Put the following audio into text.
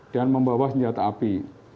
dan membawa senjata api